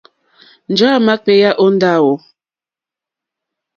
Njɔ̀ɔ́ àmà kpééyá ó ndáwù.